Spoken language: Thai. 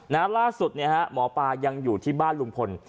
และล่าสุดหมอปลายังอยู่ที่บ้านลุงพล